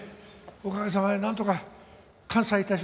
おかげさまでなんとか完済致しました。